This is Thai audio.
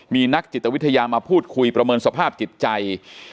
มีนักจิตวิทยามาพูดคุยประเมินสภาพจิตใจ